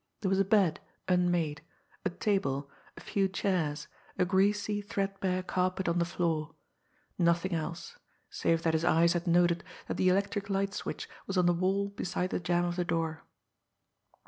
There was a bed, unmade, a table, a few chairs, a greasy, threadbare carpet on the floor nothing else, save that his eyes had noted that the electric light switch was on the wall beside the jamb of the door.